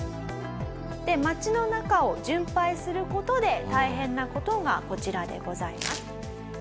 町の中を巡拝する事で大変な事がこちらでございます。